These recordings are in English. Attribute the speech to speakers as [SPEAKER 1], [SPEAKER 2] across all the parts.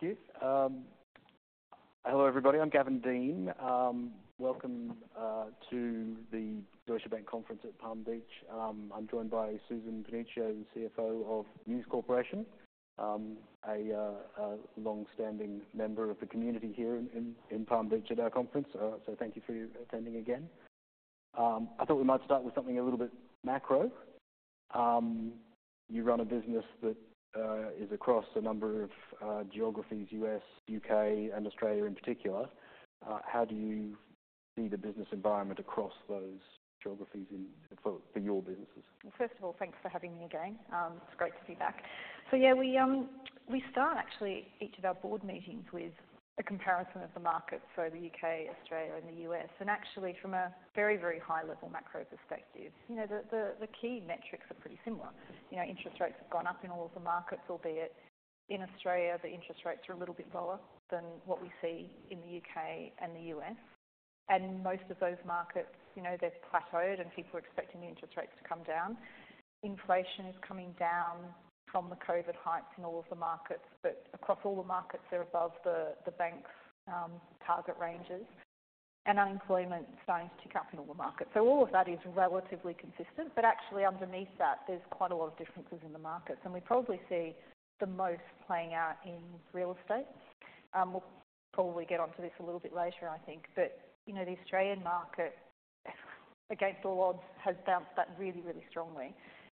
[SPEAKER 1] Thank you. Hello, everybody. I'm Gavin Deane. Welcome to the Deutsche Bank conference at Palm Beach. I'm joined by Susan Panuccio, the Chief Financial Officer of News Corporation, a longstanding member of the community here in Palm Beach at our conference. So thank you for attending again. I thought we might start with something a little bit macro. You run a business that is across a number of geographies, U.S., U.K., and Australia in particular. How do you see the business environment across those geographies in for your businesses?
[SPEAKER 2] Well, first of all, thanks for having me again. It's great to be back. So yeah, we start actually each of our board meetings with a comparison of the markets, so the U.K., Australia, and the U.S., and actually from a very, very high-level macro perspective. You know, the key metrics are pretty similar. You know, interest rates have gone up in all of the markets, albeit in Australia the interest rates are a little bit lower than what we see in the U.K. and the U.S.. And most of those markets, you know, they've plateaued and people are expecting the interest rates to come down. Inflation is coming down from the COVID heights in all of the markets, but across all the markets they're above the bank's target ranges. And unemployment's starting to tick up in all the markets. So all of that is relatively consistent, but actually underneath that there's quite a lot of differences in the markets, and we probably see the most playing out in real estate. We'll probably get onto this a little bit later, I think, but, you know, the Australian market, against all odds, has bounced that really, really strongly.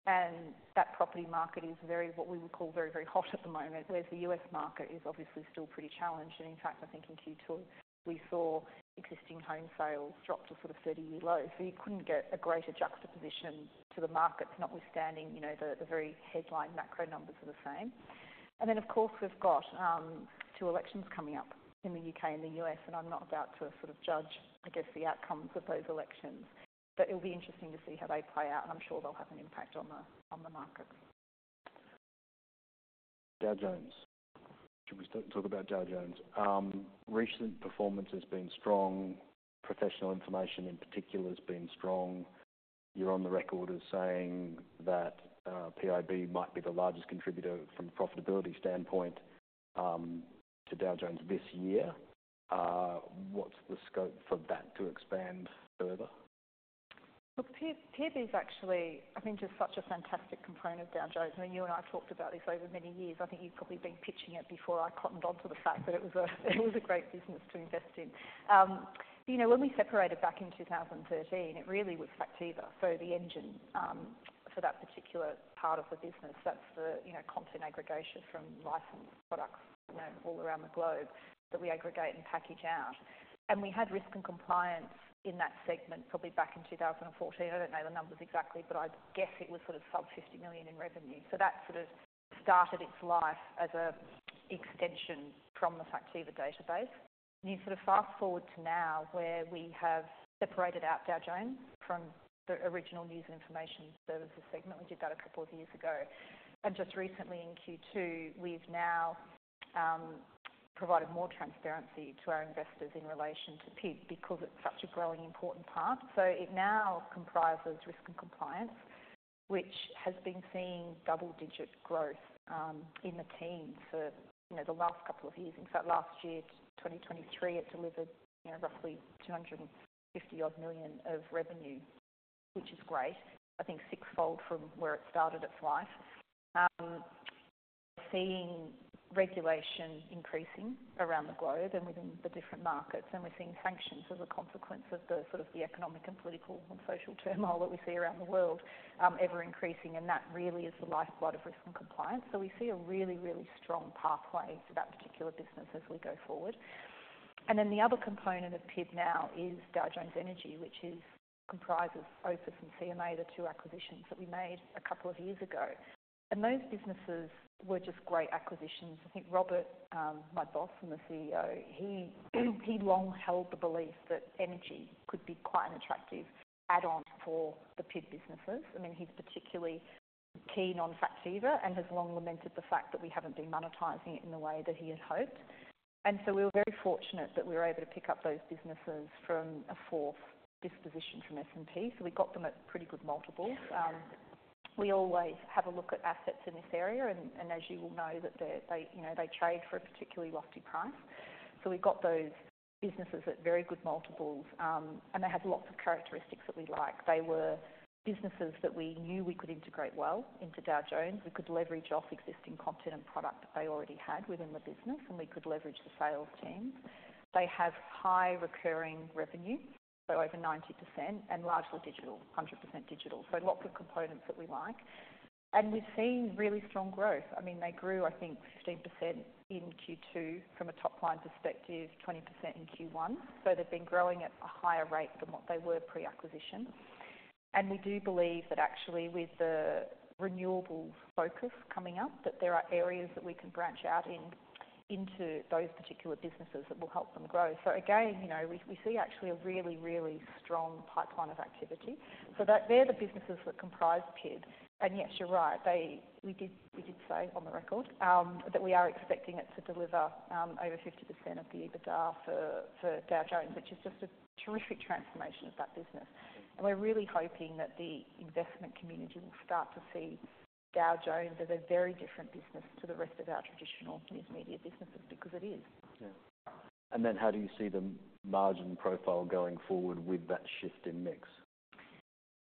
[SPEAKER 2] And that property market is very what we would call very, very hot at the moment, whereas the U.S. market is obviously still pretty challenged. And in fact, I think in Q2 we saw existing home sales drop to sort of 30-year lows, so you couldn't get a greater juxtaposition to the markets notwithstanding, you know, the very headline macro numbers are the same. And then of course we've got two elections coming up in the U.K. and the U.S., and I'm not about to sort of judge, I guess, the outcomes of those elections, but it'll be interesting to see how they play out, and I'm sure they'll have an impact on the markets.
[SPEAKER 3] Dow Jones. Should we start talk about Dow Jones? Recent performance has been strong. Professional information in particular has been strong. You're on the record as saying that PIB might be the largest contributor from a profitability standpoint to Dow Jones this year. What's the scope for that to expand further?
[SPEAKER 2] Look, PIB's actually, I think, just such a fantastic component of Dow Jones. I mean, you and I've talked about this over many years. I think you've probably been pitching it before I cottoned onto the fact that it was a great business to invest in. You know, when we separated back in 2013 it really was Factiva, so the engine, for that particular part of the business. That's the, you know, content aggregation from licensed products, you know, all around the globe that we aggregate and package out. And we had Risk and Compliance in that segment probably back in 2014. I don't know the numbers exactly, but I guess it was sort of sub-$50 million in revenue. So that sort of started its life as an extension from the Factiva database. You sort of fast-forward to now where we have separated out Dow Jones from the original news and information services segment. We did that a couple of years ago. Just recently in Q2 we've now provided more transparency to our investors in relation to PIB because it's such a growing important part. So it now comprises Risk and Compliance, which has been seeing double-digit growth, in the team for, you know, the last couple of years. In fact last year, 2023, it delivered, you know, roughly $250-odd million of revenue, which is great. I think six-fold from where it started its life. We're seeing regulation increasing around the globe and within the different markets, and we're seeing sanctions as a consequence of the sort of the economic and political and social turmoil that we see around the world, ever increasing, and that really is the lifeblood of Risk and Compliance. So we see a really, really strong pathway for that particular business as we go forward. And then the other component of PIB now is Dow Jones Energy, which comprises OPIS and CMA, the two acquisitions that we made a couple of years ago. And those businesses were just great acquisitions. I think Robert, my boss and the CEO, he long held the belief that energy could be quite an attractive add-on for the PIB businesses. I mean, he's particularly keen on Factiva and has long lamented the fact that we haven't been monetizing it in the way that he had hoped. And so we were very fortunate that we were able to pick up those businesses from a fourth disposition from S&P, so we got them at pretty good multiples. We always have a look at assets in this area, and as you will know that they, you know, they trade for a particularly lofty price. So we got those businesses at very good multiples, and they had lots of characteristics that we liked. They were businesses that we knew we could integrate well into Dow Jones. We could leverage off existing content and product that they already had within the business, and we could leverage the sales teams. They have high recurring revenue, so over 90%, and largely digital, 100% digital. Lots of components that we like. And we've seen really strong growth. I mean, they grew, I think, 15% in Q2 from a top-line perspective, 20% in Q1, so they've been growing at a higher rate than what they were pre-acquisition. And we do believe that actually with the renewables focus coming up that there are areas that we can branch out in, into those particular businesses that will help them grow. So again, you know, we see actually a really, really strong pipeline of activity. So that they're the businesses that comprise PIB. And yes, you're right. We did say on the record that we are expecting it to deliver over 50% of the EBITDA for Dow Jones, which is just a terrific transformation of that business. We're really hoping that the investment community will start to see Dow Jones as a very different business to the rest of our traditional news media businesses because it is.
[SPEAKER 3] Yeah. And then how do you see the margin profile going forward with that shift in mix?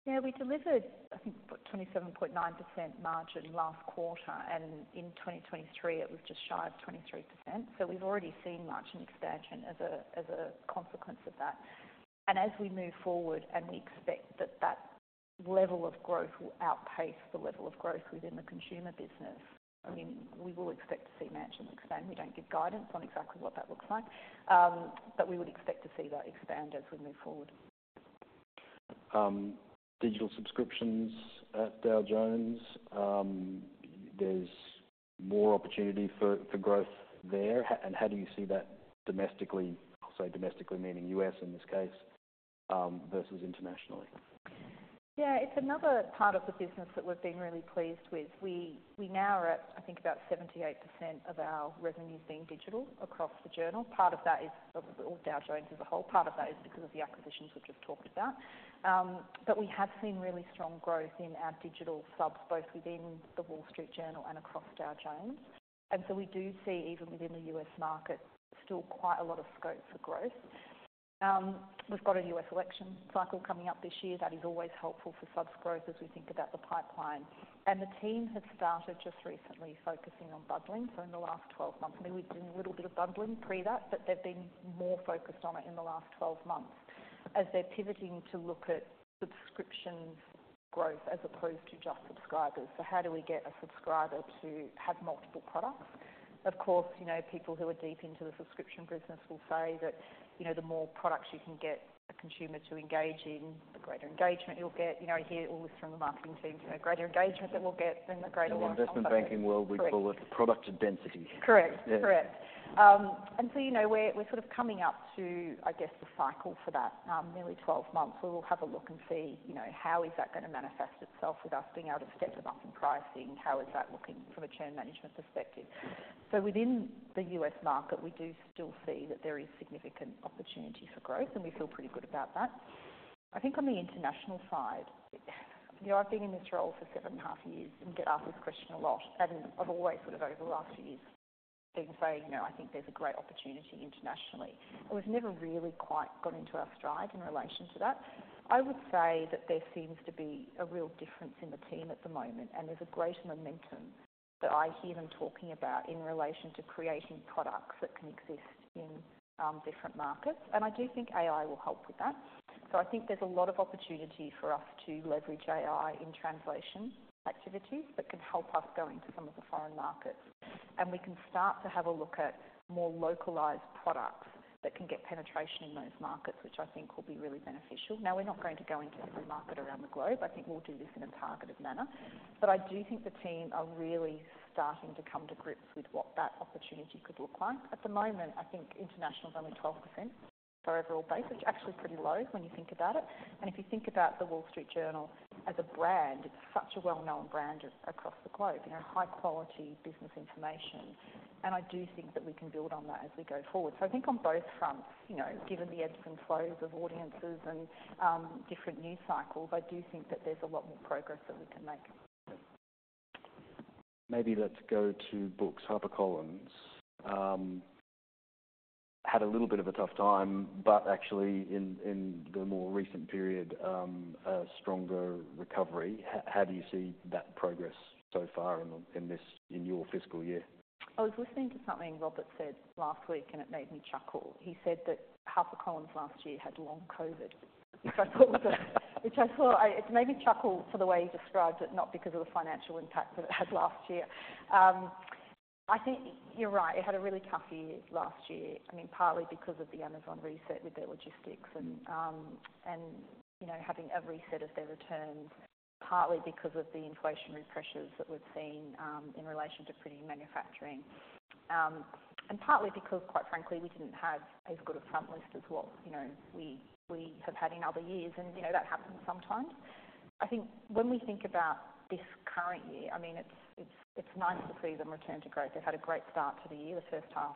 [SPEAKER 2] Yeah, we delivered, I think, about 27.9% margin last quarter, and in 2023 it was just shy of 23%. So we've already seen margin expansion as a consequence of that. And as we move forward and we expect that level of growth will outpace the level of growth within the consumer business. I mean, we will expect to see margin expand. We don't give guidance on exactly what that looks like, but we would expect to see that expand as we move forward.
[SPEAKER 3] Digital subscriptions at Dow Jones, there's more opportunity for growth there. And how do you see that domestically? I'll say domestically meaning U.S. in this case, versus internationally?
[SPEAKER 2] Yeah, it's another part of the business that we've been really pleased with. We, we now are at, I think, about 78% of our revenues being digital across the Journal. Part of that is probably all Dow Jones as a whole. Part of that is because of the acquisitions we've just talked about. But we have seen really strong growth in our digital subs both within the Wall Street Journal and across Dow Jones. And so we do see even within the U.S. market still quite a lot of scope for growth. We've got a U.S. election cycle coming up this year. That is always helpful for subs growth as we think about the pipeline. And the team has started just recently focusing on bundling, so in the last 12 months. I mean, we've done a little bit of bundling pre that, but they've been more focused on it in the last 12 months as they're pivoting to look at subscriptions growth as opposed to just subscribers. So how do we get a subscriber to have multiple products? Of course, you know, people who are deep into the subscription business will say that, you know, the more products you can get a consumer to engage in, the greater engagement you'll get. You know, I hear always from the marketing teams, you know, greater engagement that we'll get then the greater lifespan we'll have.
[SPEAKER 3] In the investment banking world we call it product density.
[SPEAKER 2] Correct. Correct. And so you know we're sort of coming up to, I guess, the cycle for that, nearly 12 months. We will have a look and see, you know, how is that going to manifest itself with us being able to step them up in pricing. How is that looking from a churn management perspective? So within the U.S. market we do still see that there is significant opportunity for growth, and we feel pretty good about that. I think on the international side you know, I've been in this role for seven and a half years and get asked this question a lot, and I've always sort of over the last few years been saying, you know, I think there's a great opportunity internationally. We've never really quite got into our stride in relation to that. I would say that there seems to be a real difference in the team at the moment, and there's a greater momentum that I hear them talking about in relation to creating products that can exist in different markets. I do think AI will help with that. I think there's a lot of opportunity for us to leverage AI in translation activities that can help us go into some of the foreign markets. We can start to have a look at more localized products that can get penetration in those markets, which I think will be really beneficial. Now we're not going to go into every market around the globe. I think we'll do this in a targeted manner. I do think the team are really starting to come to grips with what that opportunity could look like. At the moment I think international's only 12% for overall base, which is actually pretty low when you think about it. And if you think about the Wall Street Journal as a brand it's such a well-known brand across the globe. You know, high-quality business information. And I do think that we can build on that as we go forward. So I think on both fronts, you know, given the ebbs and flows of audiences and different news cycles I do think that there's a lot more progress that we can make.
[SPEAKER 3] Maybe let's go to books. HarperCollins had a little bit of a tough time, but actually in the more recent period, a stronger recovery. How do you see that progress so far in this, in your fiscal year?
[SPEAKER 2] I was listening to something Robert said last week and it made me chuckle. He said that HarperCollins last year had long COVID, which I thought was... it made me chuckle for the way he described it, not because of the financial impact that it had last year. I think you're right. It had a really tough year last year. I mean, partly because of the Amazon reset with their logistics and, you know, having a reset of their returns, partly because of the inflationary pressures that we've seen in relation to printing and manufacturing, and partly because, quite frankly, we didn't have as good a front list as what, you know, we have had in other years, and, you know, that happens sometimes. I think when we think about this current year, I mean, it's nice to see them return to growth. They've had a great start to the year. The first half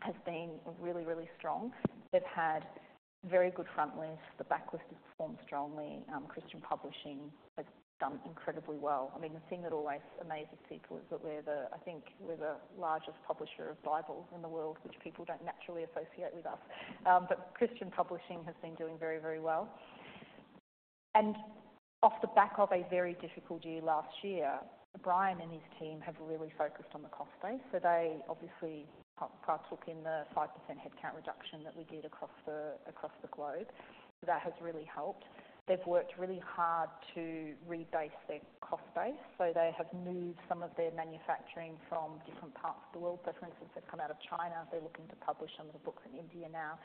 [SPEAKER 2] has been really, really strong. They've had very good front lists. The back list has performed strongly. Christian Publishing has done incredibly well. I mean, the thing that always amazes people is that we're the—I think we're the largest publisher of Bibles in the world, which people don't naturally associate with us. But Christian Publishing has been doing very, very well. And off the back of a very difficult year last year, Brian and his team have really focused on the cost base, so they obviously partook in the 5% headcount reduction that we did across the globe. That has really helped. They've worked really hard to rebase their cost base, so they have moved some of their manufacturing from different parts of the world. So for instance, they've come out of China. They're looking to publish some of the books in India now.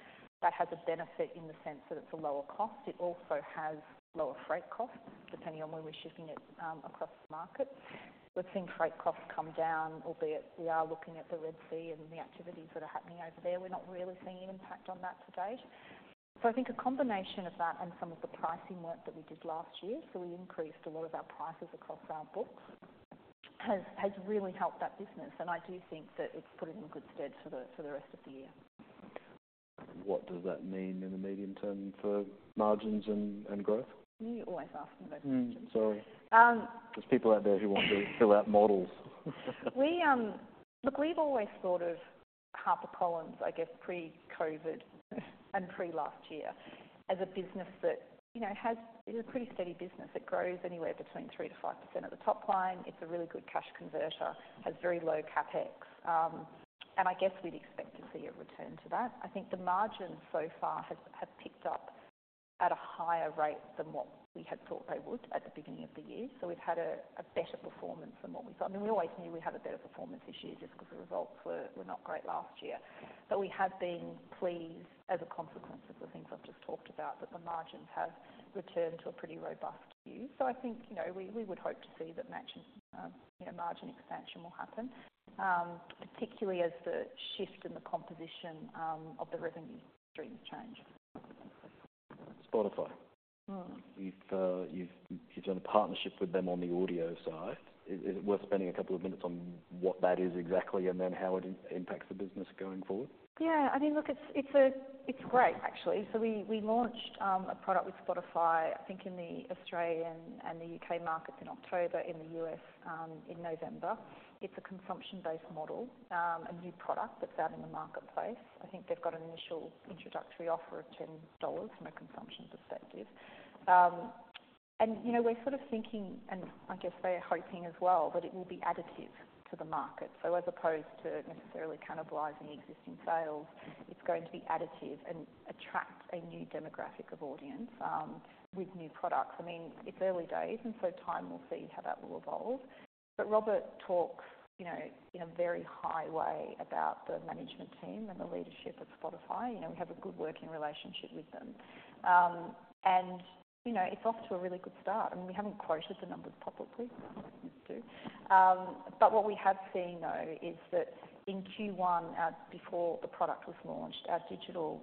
[SPEAKER 2] That has a benefit in the sense that it's a lower cost. It also has lower freight costs depending on where we're shipping it, across the market. We've seen freight costs come down, albeit we are looking at the Red Sea and the activities that are happening over there. We're not really seeing an impact on that to date. So I think a combination of that and some of the pricing work that we did last year, so we increased a lot of our prices across our books, has really helped that business. I do think that it's put it in good stead for the rest of the year.
[SPEAKER 3] What does that mean in the medium term for margins and growth?
[SPEAKER 2] You always ask me those questions.
[SPEAKER 3] Sorry. There's people out there who want to fill out models.
[SPEAKER 2] We, look, we've always thought of HarperCollins, I guess, pre-COVID and pre-last year as a business that, you know, has. It's a pretty steady business. It grows anywhere between 3%-5% at the top line. It's a really good cash converter. Has very low CapEx, and I guess we'd expect to see a return to that. I think the margins so far have picked up at a higher rate than what we had thought they would at the beginning of the year. So we've had a better performance than what we thought. I mean, we always knew we had a better performance this year just because the results were not great last year. But we have been pleased as a consequence of the things I've just talked about that the margins have returned to a pretty robust view. So I think, you know, we would hope to see that margin, you know, margin expansion will happen, particularly as the shift in the composition of the revenue streams change.
[SPEAKER 3] Spotify. You've done a partnership with them on the audio side. Is it worth spending a couple of minutes on what that is exactly and then how it impacts the business going forward?
[SPEAKER 2] Yeah. I mean, look, it's great, actually. So we launched a product with Spotify, I think, in the Australian and the U.K. markets in October, in the U.S., in November. It's a consumption-based model, a new product that's out in the marketplace. I think they've got an initial introductory offer of $10 from a consumption perspective. And, you know, we're sort of thinking and I guess they are hoping as well that it will be additive to the market. So as opposed to necessarily cannibalizing existing sales, it's going to be additive and attract a new demographic of audience, with new products. I mean, it's early days, and so time will see how that will evolve. But Robert talks, you know, in a very high way about the management team and the leadership at Spotify. You know, we have a good working relationship with them. and, you know, it's off to a really good start. I mean, we haven't quoted the numbers publicly. I think we need to do. But what we have seen, though, is that in Q1, before the product was launched, our digital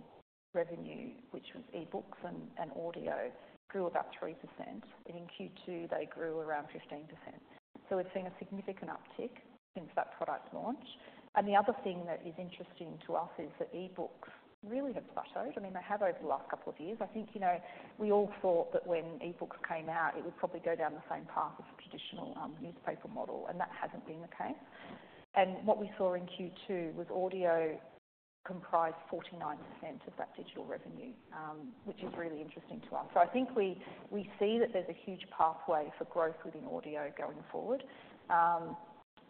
[SPEAKER 2] revenue, which was e-books and, and audio, grew about 3%. And in Q2 they grew around 15%. So we've seen a significant uptick since that product launched. And the other thing that is interesting to us is that e-books really have plateaued. I mean, they have over the last couple of years. I think, you know, we all thought that when e-books came out it would probably go down the same path as the traditional newspaper model, and that hasn't been the case. And what we saw in Q2 was audio comprised 49% of that digital revenue, which is really interesting to us. So I think we see that there's a huge pathway for growth within audio going forward.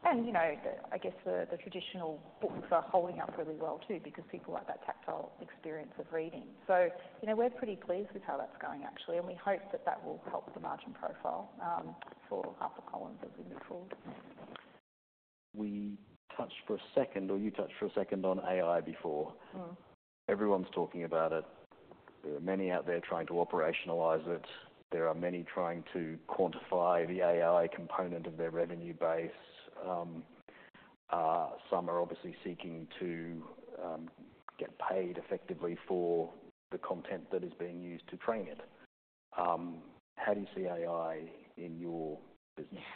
[SPEAKER 2] You know, the, I guess, the traditional books are holding up really well too because people like that tactile experience of reading. So, you know, we're pretty pleased with how that's going, actually, and we hope that that will help the margin profile for HarperCollins as we move forward.
[SPEAKER 3] We touched for a second or you touched for a second on AI before. Everyone's talking about it. There are many out there trying to operationalize it. There are many trying to quantify the AI component of their revenue base. Some are obviously seeking to get paid effectively for the content that is being used to train it. How do you see AI in your business?
[SPEAKER 2] Yeah.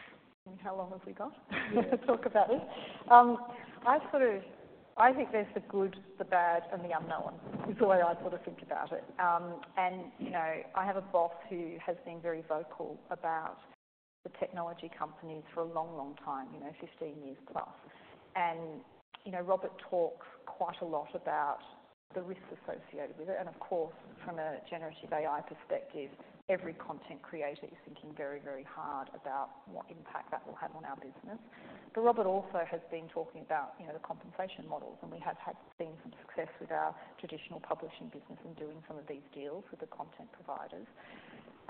[SPEAKER 2] I mean, how long have we got?
[SPEAKER 3] Yeah.
[SPEAKER 2] To talk about it? I sort of I think there's the good, the bad, and the unknown is the way I sort of think about it. And, you know, I have a boss who has been very vocal about the technology companies for a long, long time, you know, 15+ years. And, you know, Robert talks quite a lot about the risks associated with it. And of course, from a generative AI perspective, every content creator is thinking very, very hard about what impact that will have on our business. But Robert also has been talking about, you know, the compensation models, and we have had seen some success with our traditional publishing business in doing some of these deals with the content providers.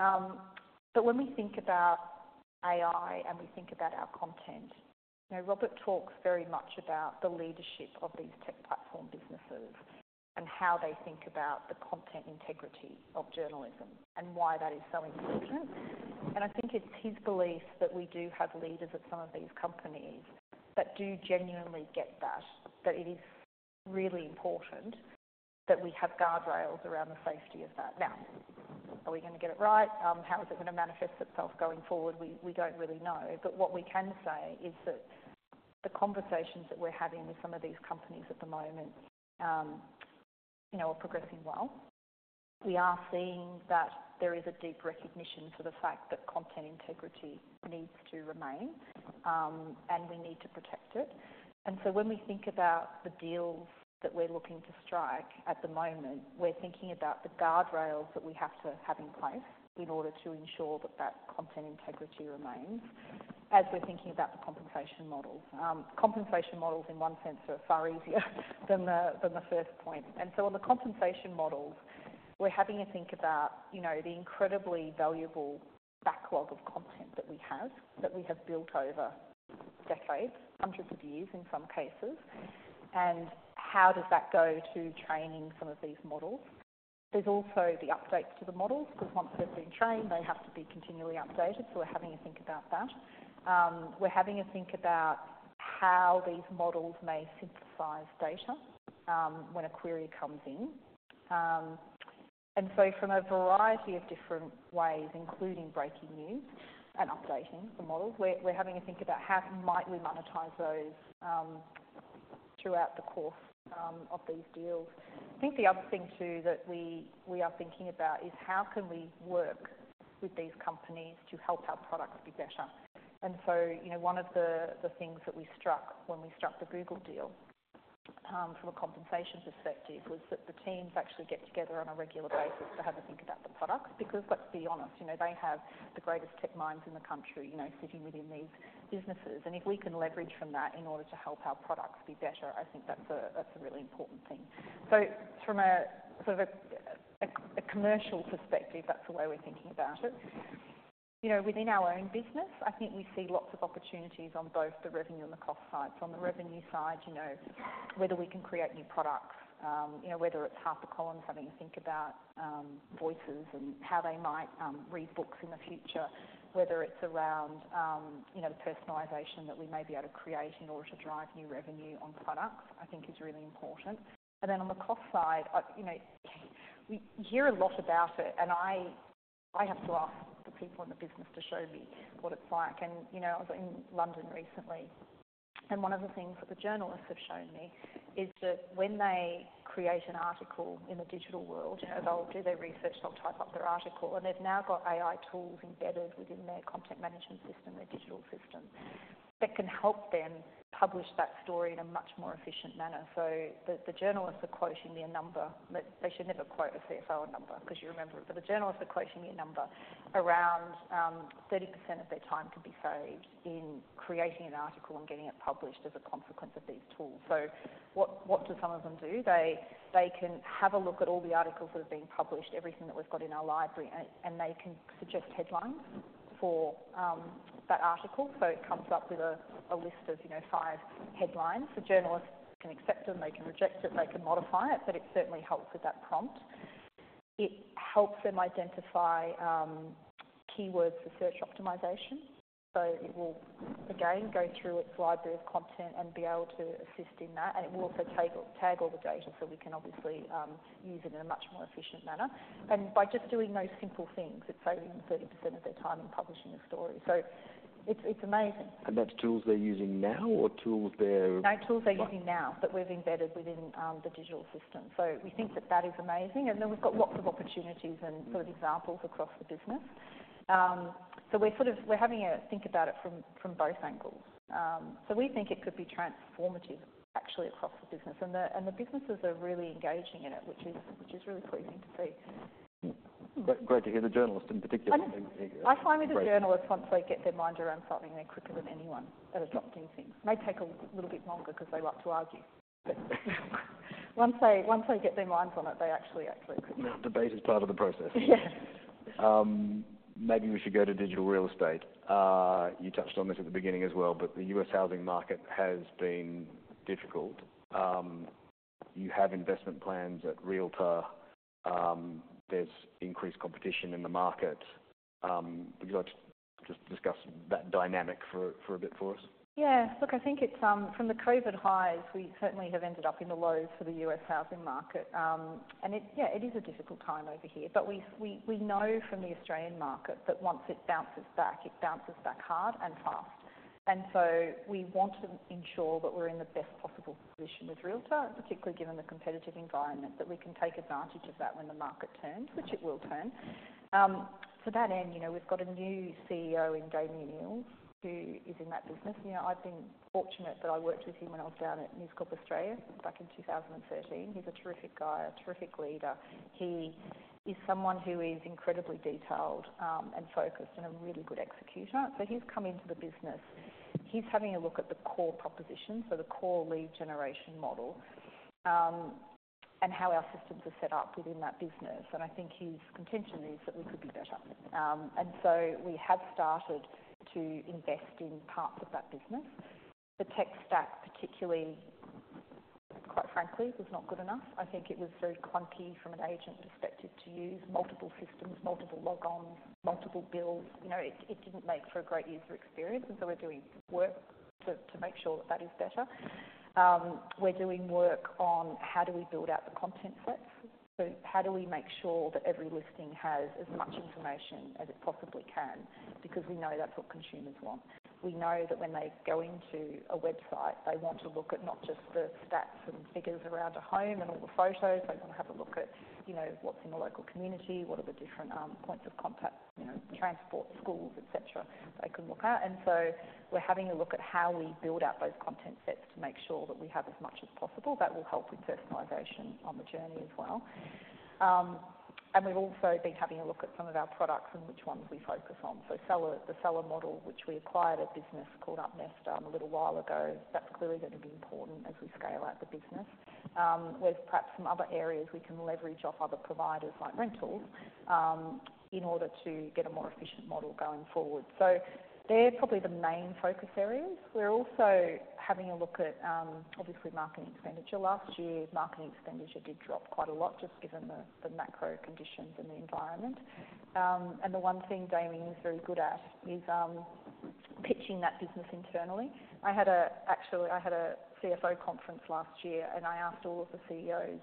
[SPEAKER 2] But when we think about AI and we think about our content, you know, Robert talks very much about the leadership of these tech platform businesses and how they think about the content integrity of journalism and why that is so important. And I think it's his belief that we do have leaders at some of these companies that do genuinely get that, that it is really important that we have guardrails around the safety of that. Now, are we going to get it right? How is it going to manifest itself going forward? We don't really know. But what we can say is that the conversations that we're having with some of these companies at the moment, you know, are progressing well. We are seeing that there is a deep recognition for the fact that content integrity needs to remain, and we need to protect it. And so when we think about the deals that we're looking to strike at the moment, we're thinking about the guardrails that we have to have in place in order to ensure that that content integrity remains as we're thinking about the compensation models. Compensation models in one sense are far easier than the first point. And so on the compensation models, we're having to think about, you know, the incredibly valuable backlog of content that we have built over decades, hundreds of years in some cases, and how does that go to training some of these models. There's also the updates to the models because once they've been trained they have to be continually updated, so we're having to think about that. We're having to think about how these models may synthesize data, when a query comes in. And so from a variety of different ways, including breaking news and updating the models, we're having to think about how might we monetize those, throughout the course of these deals. I think the other thing too that we are thinking about is how can we work with these companies to help our products be better. And so, you know, one of the things that we struck when we struck the Google deal, from a compensation perspective was that the teams actually get together on a regular basis to have a think about the products because, let's be honest, you know, they have the greatest tech minds in the country, you know, sitting within these businesses. And if we can leverage from that in order to help our products be better, I think that's a really important thing. So from a sort of commercial perspective, that's the way we're thinking about it. You know, within our own business, I think we see lots of opportunities on both the revenue and the cost sides. On the revenue side, you know, whether we can create new products, you know, whether it's HarperCollins having to think about voices and how they might read books in the future, whether it's around, you know, the personalization that we may be able to create in order to drive new revenue on products, I think is really important. And then on the cost side, you know, we hear a lot about it, and I have to ask the people in the business to show me what it's like. You know, I was in London recently, and one of the things that the journalists have shown me is that when they create an article in the digital world, you know, they'll do their research, they'll type up their article, and they've now got AI tools embedded within their content management system, their digital system, that can help them publish that story in a much more efficient manner. The journalists are quoting me a number that they should never quote a Chief Financial Officer number because you remember it, but the journalists are quoting me a number around 30% of their time can be saved in creating an article and getting it published as a consequence of these tools. What do some of them do? They can have a look at all the articles that have been published, everything that we've got in our library, and they can suggest headlines for that article. So it comes up with a list of, you know, five headlines. The journalists can accept them. They can reject it. They can modify it, but it certainly helps with that prompt. It helps them identify keywords for search optimization. So it will, again, go through its library of content and be able to assist in that. And it will also tag all the data so we can obviously use it in a much more efficient manner. And by just doing those simple things, it's saving them 30% of their time in publishing a story. So it's amazing.
[SPEAKER 3] That's tools they're using now or tools they're?
[SPEAKER 2] No, tools they're using now that we've embedded within the digital system. So we think that is amazing. And then we've got lots of opportunities and sort of examples across the business. So we're sort of having to think about it from both angles. So we think it could be transformative, actually, across the business. And the businesses are really engaging in it, which is really pleasing to see.
[SPEAKER 3] Great, great to hear. The journalists in particular.
[SPEAKER 2] I find with the journalists, once they get their mind around something, they're quicker than anyone at adopting things. They take a little bit longer because they like to argue. Once they get their minds on it, they actually quicker.
[SPEAKER 3] Now, debate is part of the process.
[SPEAKER 2] Yes.
[SPEAKER 3] Maybe we should go to digital real estate. You touched on this at the beginning as well, but the U.S. housing market has been difficult. You have investment plans at Realtor. There's increased competition in the market. Would you like to just discuss that dynamic for a bit for us?
[SPEAKER 2] Yeah. Look, I think it's, from the COVID highs, we certainly have ended up in the lows for the U.S. housing market. And it is a difficult time over here. But we know from the Australian market that once it bounces back, it bounces back hard and fast. And so we want to ensure that we're in the best possible position with Realtor, particularly given the competitive environment, that we can take advantage of that when the market turns, which it will turn. To that end, you know, we've got a new Chief Executive Officer in Damian Eales who is in that business. You know, I've been fortunate that I worked with him when I was down at News Corp Australia back in 2013. He's a terrific guy, a terrific leader. He is someone who is incredibly detailed, and focused and a really good executor. So he's come into the business. He's having a look at the core proposition, so the core lead generation model, and how our systems are set up within that business. I think his contention is that we could be better. So we have started to invest in parts of that business. The tech stack, particularly, quite frankly, was not good enough. I think it was very clunky from an agent perspective to use, multiple systems, multiple logons, multiple bills. You know, it didn't make for a great user experience. So we're doing work to make sure that that is better. We're doing work on how do we build out the content sets. So how do we make sure that every listing has as much information as it possibly can because we know that's what consumers want. We know that when they go into a website, they want to look at not just the stats and figures around a home and all the photos. They want to have a look at, you know, what's in the local community, what are the different points of contact, you know, transport, schools, etc., that they can look at. And so we're having a look at how we build out those content sets to make sure that we have as much as possible. That will help with personalization on the journey as well. We've also been having a look at some of our products and which ones we focus on. So seller the seller model, which we acquired a business called UpNest a little while ago, that's clearly going to be important as we scale out the business, whereas perhaps some other areas we can leverage off other providers like rentals, in order to get a more efficient model going forward. So they're probably the main focus areas. We're also having a look at, obviously, marketing expenditure. Last year, marketing expenditure did drop quite a lot just given the macro conditions and the environment. The one thing Damian is very good at is pitching that business internally. I had actually a Chief Financial Officer conference last year, and I asked all of the Chief Executive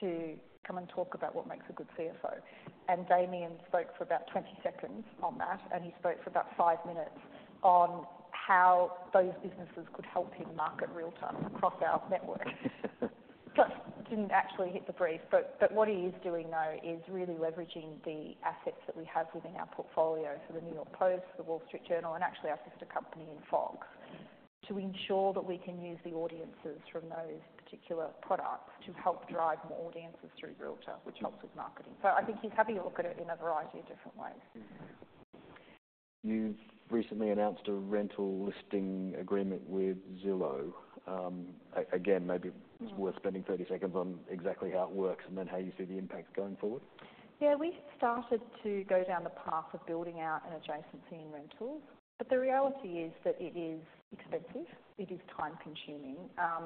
[SPEAKER 2] Officers to come and talk about what makes a good Chief Financial Officer. Damian spoke for about 20 seconds on that, and he spoke for about 5 minutes on how those businesses could help him market Realtor across our network. Just didn't actually hit the brief. But what he is doing now is really leveraging the assets that we have within our portfolio for The New York Post, The Wall Street Journal, and actually our sister company in Fox to ensure that we can use the audiences from those particular products to help drive more audiences through Realtor, which helps with marketing. I think he's having a look at it in a variety of different ways.
[SPEAKER 3] You've recently announced a rental listing agreement with Zillow. Again, maybe it's worth spending 30 seconds on exactly how it works and then how you see the impacts going forward.
[SPEAKER 2] Yeah. We started to go down the path of building out an adjacency in rentals, but the reality is that it is expensive. It is time-consuming,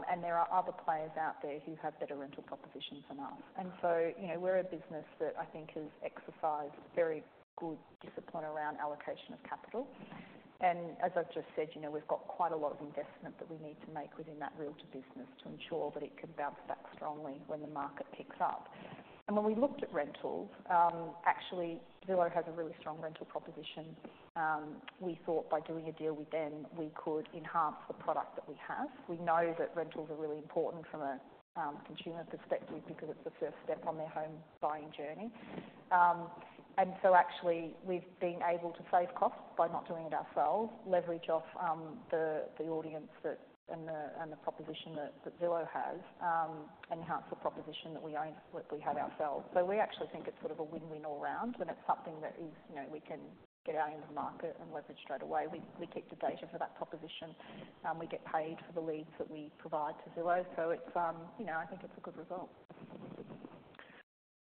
[SPEAKER 2] and there are other players out there who have better rental propositions than us. And so, you know, we're a business that I think has exercised very good discipline around allocation of capital. And as I've just said, you know, we've got quite a lot of investment that we need to make within that Realtor business to ensure that it can bounce back strongly when the market picks up. And when we looked at rentals, actually, Zillow has a really strong rental proposition. We thought by doing a deal with them, we could enhance the product that we have. We know that rentals are really important from a consumer perspective because it's the first step on their home buying journey. So actually, we've been able to save costs by not doing it ourselves, leverage off the audience and the proposition that Zillow has, enhance the proposition that we own that we have ourselves. So we actually think it's sort of a win-win all round, and it's something that is, you know, we can get our end of the market and leverage straight away. We keep the data for that proposition, and we get paid for the leads that we provide to Zillow. So it's, you know, I think it's a good result.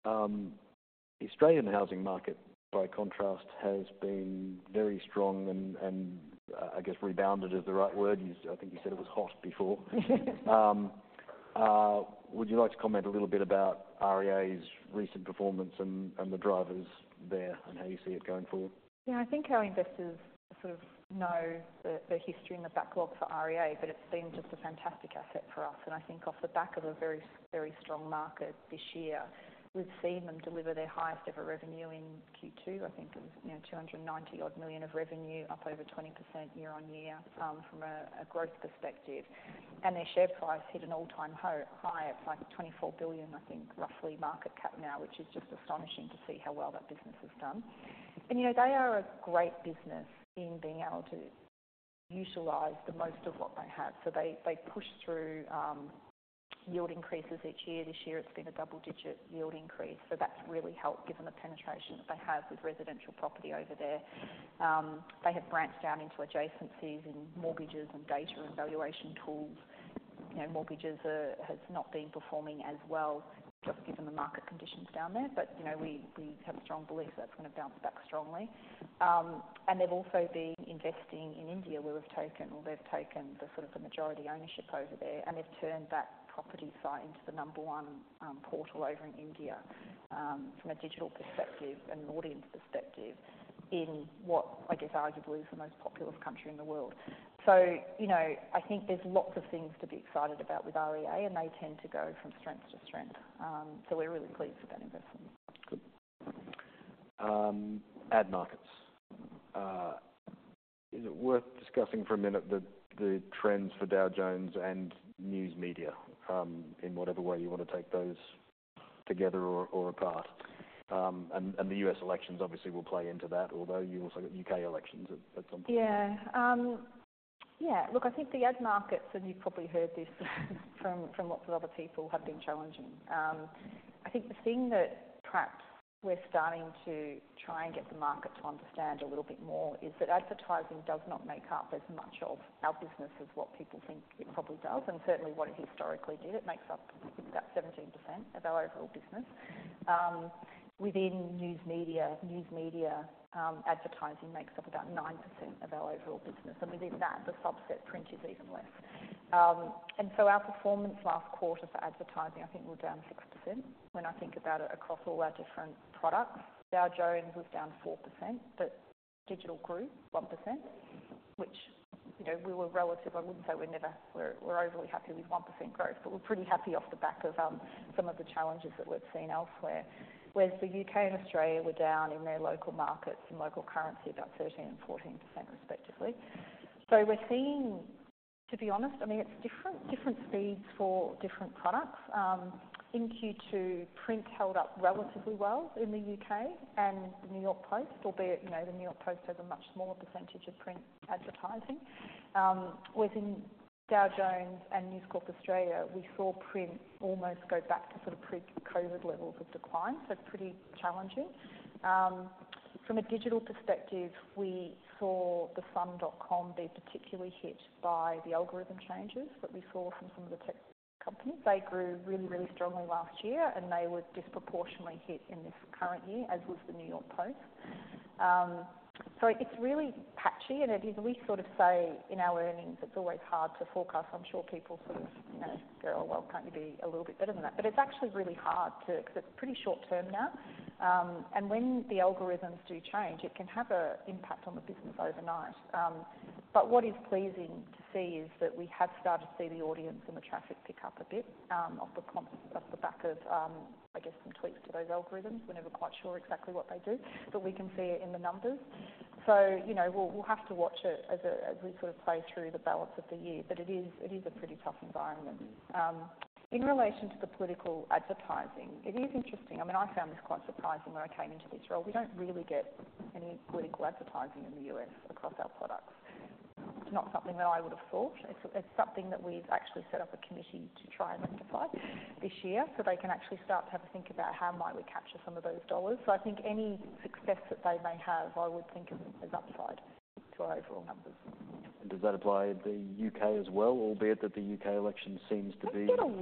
[SPEAKER 3] The Australian housing market, by contrast, has been very strong and, I guess, rebounded is the right word. You, I think you said it was hot before. Would you like to comment a little bit about REA's recent performance and the drivers there and how you see it going forward?
[SPEAKER 2] Yeah. I think our investors sort of know the history and the backlog for REA, but it's been just a fantastic asset for us. And I think off the back of a very, very strong market this year, we've seen them deliver their highest-ever revenue in Q2. I think it was, you know, 290-odd million of revenue, up over 20% year-on-year, from a growth perspective. And their share price hit an all-time high. It's like 24 billion, I think, roughly, market cap now, which is just astonishing to see how well that business has done. And, you know, they are a great business in being able to utilize the most of what they have. So they push through yield increases each year. This year, it's been a double-digit yield increase. So that's really helped given the penetration that they have with residential property over there. They have branched out into adjacencies in mortgages and data and valuation tools. You know, mortgages are has not been performing as well just given the market conditions down there, but, you know, we, we have a strong belief that that's going to bounce back strongly. And they've also been investing in India, where we've taken or they've taken the sort of the majority ownership over there, and they've turned that property site into the number one portal over in India, from a digital perspective and audience perspective in what, I guess, arguably is the most populous country in the world. So, you know, I think there's lots of things to be excited about with REA, and they tend to go from strength to strength. So we're really pleased with that investment.
[SPEAKER 3] Good. Ad markets. Is it worth discussing for a minute the trends for Dow Jones and news media, in whatever way you want to take those together or apart? And the U.S. elections, obviously, will play into that, although you also got U.K. elections at some point.
[SPEAKER 2] Yeah. Yeah. Look, I think the ad markets, and you've probably heard this from, from lots of other people, have been challenging. I think the thing that perhaps we're starting to try and get the market to understand a little bit more is that advertising does not make up as much of our business as what people think it probably does. And certainly, what it historically did, it makes up about 17% of our overall business. Within news media, news media, advertising makes up about 9% of our overall business. And within that, the subset print is even less. And so our performance last quarter for advertising, I think, was down 6% when I think about it across all our different products. Dow Jones was down 4%, but digital grew 1%, which, you know, we were relative. I wouldn't say we're overly happy with 1% growth, but we're pretty happy off the back of some of the challenges that we've seen elsewhere, whereas the UK and Australia were down in their local markets and local currency about 13% and 14% respectively. So we're seeing, to be honest, I mean, it's different speeds for different products. In Q2, print held up relatively well in the UK and The New York Post, albeit, you know, The New York Post has a much smaller percentage of print advertising, whereas in Dow Jones and News Corp Australia, we saw print almost go back to sort of pre-COVID levels of decline. So it's pretty challenging. From a digital perspective, we saw thesun.com be particularly hit by the algorithm changes that we saw from some of the tech companies. They grew really, really strongly last year, and they were disproportionately hit in this current year, as was The New York Post. So it's really patchy, and it is, we sort of say in our earnings, it's always hard to forecast. I'm sure people sort of, you know, go, "Oh, well, can't you be a little bit better than that?" But it's actually really hard to because it's pretty short-term now. And when the algorithms do change, it can have an impact on the business overnight. But what is pleasing to see is that we have started to see the audience and the traffic pick up a bit, off the back of, I guess, some tweaks to those algorithms. We're never quite sure exactly what they do, but we can see it in the numbers. So, you know, we'll have to watch it as we sort of play through the balance of the year. But it is a pretty tough environment. In relation to the political advertising, it is interesting. I mean, I found this quite surprising when I came into this role. We don't really get any political advertising in the U.S. across our products. It's not something that I would have thought. It's something that we've actually set up a committee to try and rectify this year so they can actually start to have a think about how might we capture some of those dollars. So I think any success that they may have, I would think of as upside to our overall numbers.
[SPEAKER 3] Does that apply to the U.K. as well, albeit that the U.K. election seems to be?
[SPEAKER 2] We don't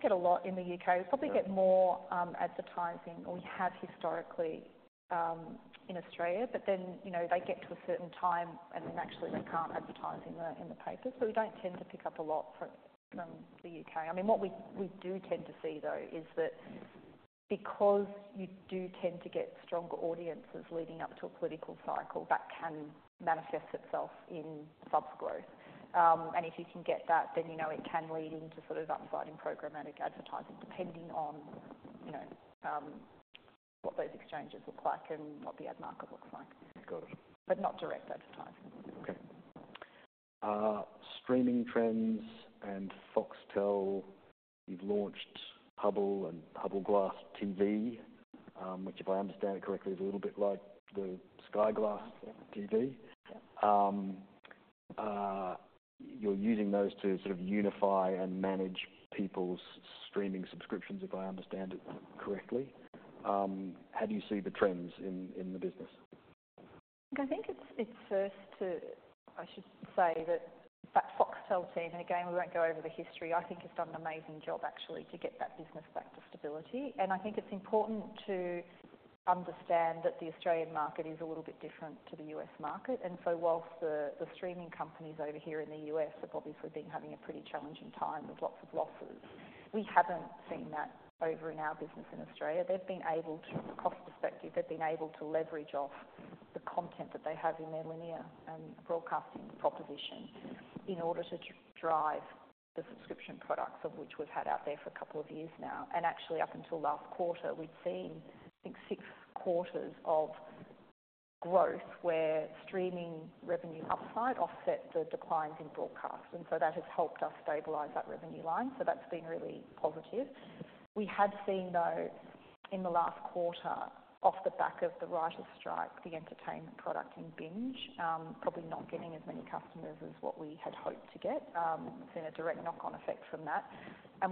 [SPEAKER 2] get a lot in the U.K. We probably get more advertising, or we have historically, in Australia, but then, you know, they get to a certain time, and then actually, they can't advertise in the papers. So we don't tend to pick up a lot from the U.K. I mean, what we do tend to see, though, is that because you do tend to get stronger audiences leading up to a political cycle, that can manifest itself in subs growth. And if you can get that, then, you know, it can lead into sort of upsiding programmatic advertising depending on, you know, what those exchanges look like and what the ad market looks like.
[SPEAKER 3] Got it.
[SPEAKER 2] But not direct advertising.
[SPEAKER 3] Okay. Streaming trends and Foxtel. You've launched Hubbl and Hubbl Glass TV, which, if I understand it correctly, is a little bit like the Sky Glass TV.
[SPEAKER 2] Yep. Yep.
[SPEAKER 3] You're using those to sort of unify and manage people's streaming subscriptions, if I understand it correctly. How do you see the trends in the business?
[SPEAKER 2] Look, I think it's first, I should say, that the Foxtel team and again, we won't go over the history. I think it's done an amazing job, actually, to get that business back to stability. I think it's important to understand that the Australian market is a little bit different to the US market. So whilst the streaming companies over here in the US have obviously been having a pretty challenging time with lots of losses, we haven't seen that over in our business in Australia. They've been able to, from a cost perspective, leverage off the content that they have in their linear and broadcasting proposition in order to drive the subscription products of which we've had out there for a couple of years now. Actually, up until last quarter, we'd seen, I think, six quarters of growth where streaming revenue upside offset the declines in broadcast. That has helped us stabilize that revenue line. So that's been really positive. We had seen, though, in the last quarter, off the back of the writer's strike, the entertainment product in Binge probably not getting as many customers as what we had hoped to get. It's been a direct knock-on effect from that.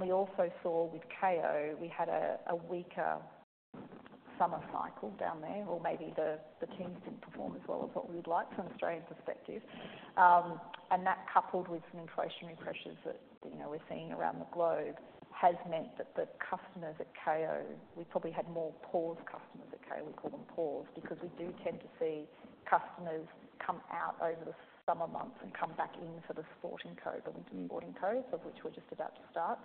[SPEAKER 2] We also saw with Kayo we had a weaker summer cycle down there, or maybe the teams didn't perform as well as what we would like from an Australian perspective. That coupled with some inflationary pressures that, you know, we're seeing around the globe has meant that the customers at Kayo we probably had more pause customers at Kayo. We call them pause because we do tend to see customers come out over the summer months and come back in for the sporting code, the winter sporting code, of which we're just about to start.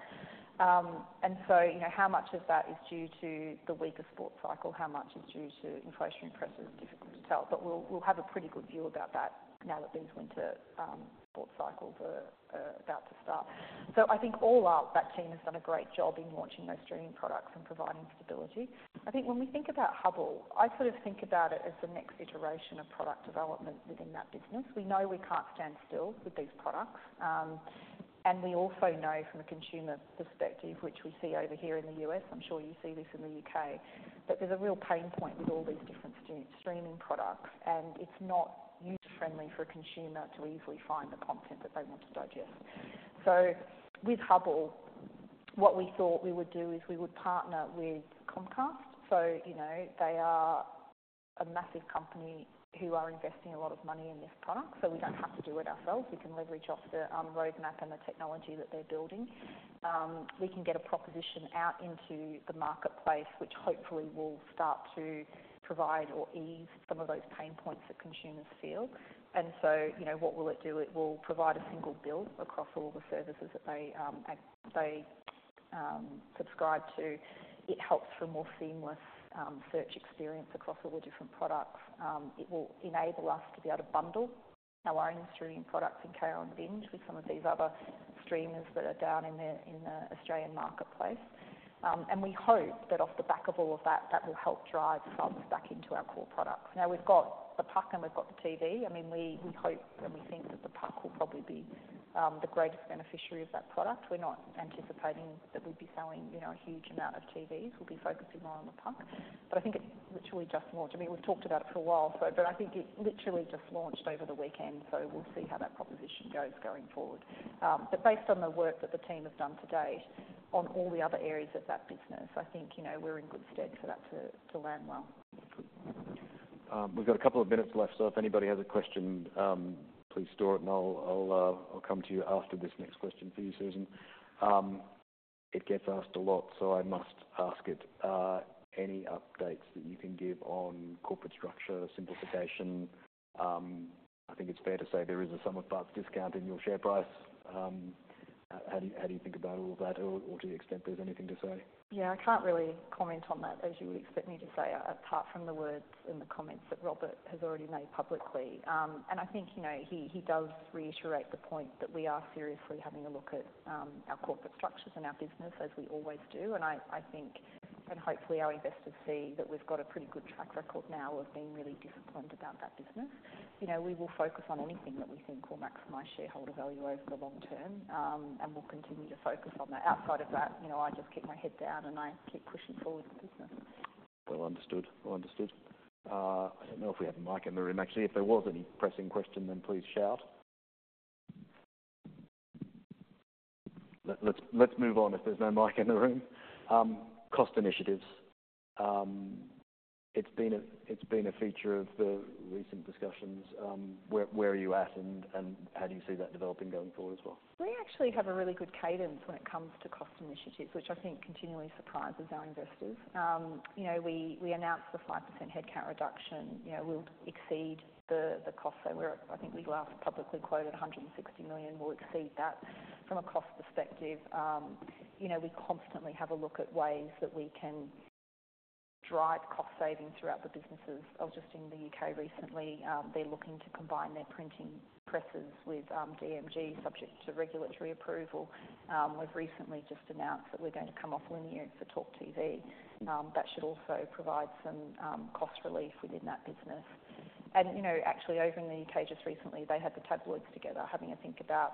[SPEAKER 2] And so, you know, how much of that is due to the weaker sport cycle? How much is due to inflationary pressures? Difficult to tell. But we'll, we'll have a pretty good view about that now that these winter sport cycles are, are about to start. So I think all up, that team has done a great job in launching those streaming products and providing stability. I think when we think about Hubbl, I sort of think about it as the next iteration of product development within that business. We know we can't stand still with these products. And we also know from a consumer perspective, which we see over here in the U.S., I'm sure you see this in the U.K., that there's a real pain point with all these different streaming products, and it's not user-friendly for a consumer to easily find the content that they want to digest. So with Hubbl, what we thought we would do is we would partner with Comcast. So, you know, they are a massive company who are investing a lot of money in this product, so we don't have to do it ourselves. We can leverage off the roadmap and the technology that they're building. We can get a proposition out into the marketplace, which hopefully will start to provide or ease some of those pain points that consumers feel. And so, you know, what will it do? It will provide a single bill across all the services that they subscribe to. It helps for a more seamless search experience across all the different products. It will enable us to be able to bundle our own streaming products in Kayo and Binge with some of these other streamers that are down in the Australian marketplace. We hope that off the back of all of that, that will help drive subs back into our core products. Now, we've got the Puck, and we've got the TV. I mean, we hope and we think that the Puck will probably be the greatest beneficiary of that product. We're not anticipating that we'd be selling, you know, a huge amount of TVs. We'll be focusing more on the Puck. But I think it literally just launched. I mean, we've talked about it for a while, so but I think it literally just launched over the weekend, so we'll see how that proposition goes going forward. But based on the work that the team has done to date on all the other areas of that business, I think, you know, we're in good stead for that to land well.
[SPEAKER 3] Good. We've got a couple of minutes left, so if anybody has a question, please store it, and I'll, I'll, I'll come to you after this next question for you, Susan. It gets asked a lot, so I must ask it. Any updates that you can give on corporate structure, simplification? I think it's fair to say there is a sum-of-the-parts discount in your share price. How do you, how do you think about all of that, or, or to the extent there's anything to say?
[SPEAKER 2] Yeah. I can't really comment on that as you would expect me to say, apart from the words and the comments that Robert has already made publicly. And I think, you know, he, he does reiterate the point that we are seriously having a look at our corporate structures and our business as we always do. And I, I think and hopefully, our investors see that we've got a pretty good track record now of being really disciplined about that business. You know, we will focus on anything that we think will maximize shareholder value over the long term, and we'll continue to focus on that. Outside of that, you know, I just keep my head down, and I keep pushing forward the business.
[SPEAKER 3] Well understood. Well understood. I don't know if we have a mic in the room. Actually, if there was any pressing question, then please shout. Let's move on if there's no mic in the room. Cost initiatives. It's been a feature of the recent discussions. Where are you at, and how do you see that developing going forward as well?
[SPEAKER 2] We actually have a really good cadence when it comes to cost initiatives, which I think continually surprises our investors. You know, we announced the 5% headcount reduction. You know, we'll exceed the cost. So we're at I think we last publicly quoted $160 million. We'll exceed that from a cost perspective. You know, we constantly have a look at ways that we can drive cost savings throughout the businesses. Oh, just in the U.K. recently, they're looking to combine their printing presses with DMG, subject to regulatory approval. We've recently just announced that we're going to come off linear for Talk TV. That should also provide some cost relief within that business. You know, actually, over in the UK just recently, they had the tabloids together having a think about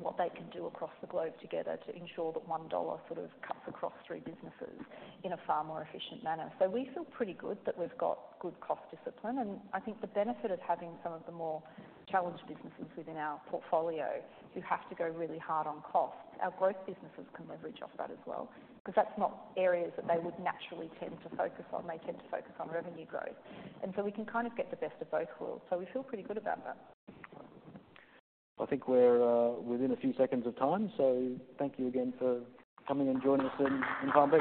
[SPEAKER 2] what they can do across the globe together to ensure that $1 sort of cuts across three businesses in a far more efficient manner. So we feel pretty good that we've got good cost discipline. And I think the benefit of having some of the more challenged businesses within our portfolio who have to go really hard on costs, our growth businesses can leverage off that as well because that's not areas that they would naturally tend to focus on. They tend to focus on revenue growth. And so we can kind of get the best of both worlds. So we feel pretty good about that.
[SPEAKER 3] I think we're within a few seconds of time. So thank you again for coming and joining us in Palm Beach.